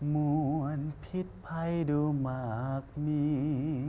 มวลพิษภัยดูมากมี